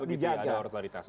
dijaga begitu ya ada otoritas oke